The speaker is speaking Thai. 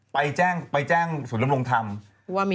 ไปแจ้งส่วนลำรงค์ทำ